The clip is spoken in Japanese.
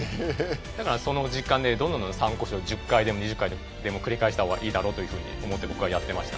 だからその時間でどんどん参考書１０回でも２０回でも繰り返した方がいいだろうというふうに思って僕はやってました。